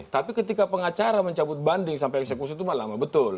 tapi ketika pengacara mencabut banding sampai eksekusi itu mah lama betul